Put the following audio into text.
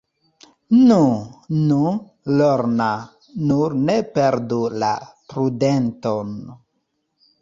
Nu, nu, Lorna, nur ne perdu la prudenton.